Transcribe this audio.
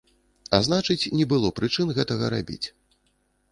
А значыць не было прычын гэтага рабіць.